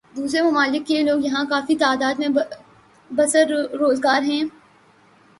دوسرے ممالک کے لوگ یہاں کافی تعداد میں برسر روزگار ہیں